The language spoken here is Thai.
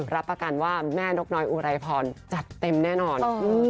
รับประกันว่าแม่นกน้อยอุไรพรจัดเต็มแน่นอน